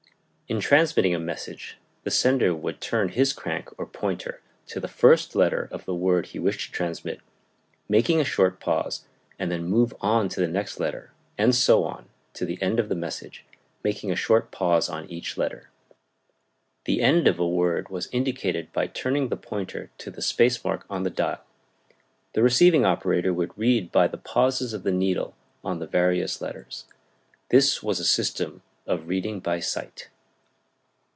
In transmitting a message the sender would turn his crank, or pointer, to the first letter of the word he wished to transmit, making a short pause, and then move on to the next letter, and so on to the end of the message, making a short pause on each letter. The end of a word was indicated by turning the pointer to the space mark on the dial. The receiving operator would read by the pauses of the needle on the various letters. This was a system of reading by sight.